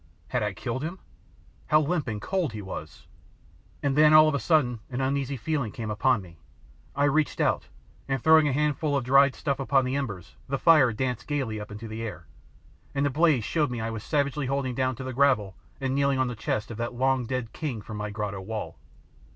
Had I killed him? How limp and cold he was! And then all of a sudden an uneasy feeling came upon me. I reached out, and throwing a handful of dried stuff upon the embers the fire danced gaily up into the air, and the blaze showed me I was savagely holding down to the gravel and kneeling on the chest of that long dead king from my grotto wall!